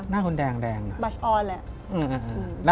หน้าคุณแดงบัชออนแหละ